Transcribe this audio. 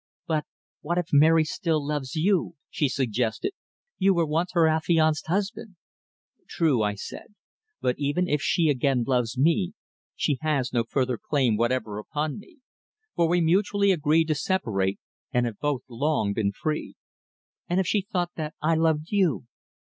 "But what if Mary still loves you?" she suggested. "You were once her affianced husband." "True," I said. "But even if she again loves me she has no further claim whatever upon me, for we mutually agreed to separate and have both long been free." "And if she thought that I loved you?"